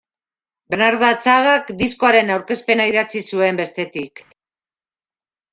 Bernardo Atxagak diskoaren aurkezpena idatzi zuen, bestetik.